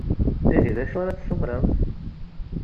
Ihi, d acu ara d-tessumremt?